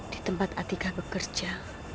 di tempat atika bekerja